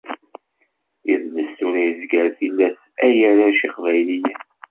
Idles tura izger tilas ay arrac iqbayliyen.